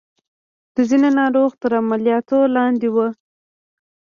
د ځينو ناروغ تر عملياتو لاندې وو.